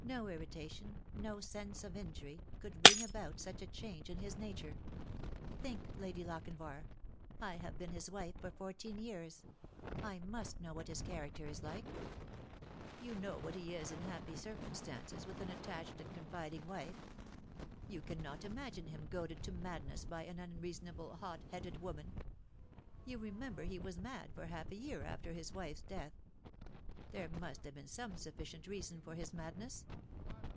No irritation, no sense of injury, could bring about such a change in his nature. Think, Lady Lochinvar, I have been his wife for fourteen years. I must know what his character is like." "You know what he is in happy circumstances, with an attached and confiding wife. You cannot imagine him goaded to madness by an unreasonable, hot headed woman. You remember he was mad for half a year after his wife s deata. There must have bean some sufficient reason for his madness."